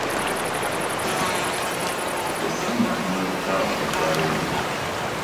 Essanyu katono litte abakozi baleediyo.